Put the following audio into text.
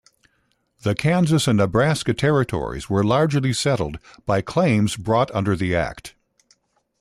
The Kansas and Nebraska Territories were largely settled by claims brought under the act.